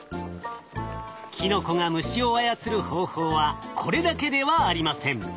キノコが虫を操る方法はこれだけではありません。